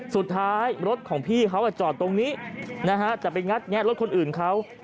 สุดท้ายรถของพี่เขาจอดตรงนี้นะฮะจะไปงัดแงะรถคนอื่นเขา